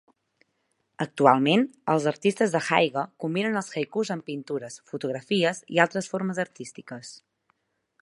Actualment, els artistes de haiga combinen els haikus amb pintures, fotografies i altres formes artístiques.